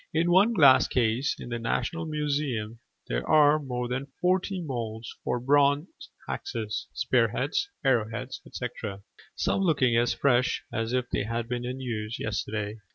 In one glass case in the National Museum there are more than forty moulds for bronze axes, spear heads, arrow heads, etc.: some looking as fresh as if they had been in use yesterday.